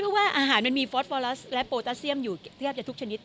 เพราะว่าอาหารมันมีฟอสโฟลัสและโปรตาเซียมอยู่แทบจะทุกชนิด